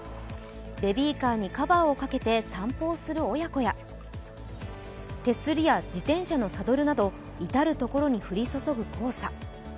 ベビーカーにカバーをかけて散歩をする親子や、手すりや自転車のサドルなど至る所に降り注ぐ黄砂。